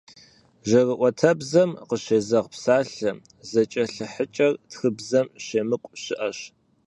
Жьэрыӏуэтэбзэм къыщезэгъ псалъэ зэкӏэлъыхьыкӏэр тхыбзэм щемыкӏу щыӏэщ.